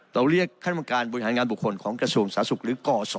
เราเรียกคัณะบังการบริหารงานบุคคลของกระทรวงสาธุกษ์